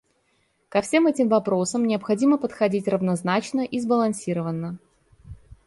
Ко всем этим вопросам необходимо подходить равнозначно и сбалансированно.